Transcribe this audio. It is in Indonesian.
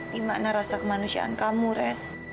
gimana rasa kemanusiaan kamu res